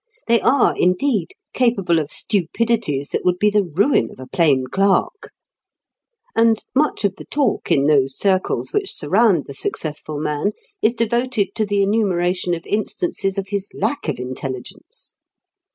They are, indeed, capable of stupidities that would be the ruin of a plain clerk. And much of the talk in those circles which surround the successful man is devoted to the enumeration of instances of his lack of intelligence.